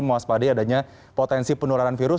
mewaspadai adanya potensi penularan virus